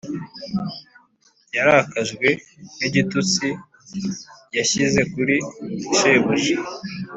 Yarakajwe n’igitutsi yashyize kuri Shebuja